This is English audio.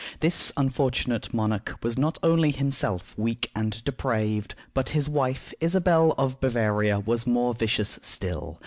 This unfortunate monarch was not only himself weak and depraved, but his wife, Isabel of Bavaria, was more vicious still.